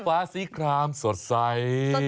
ฟ้าสีครามสดใส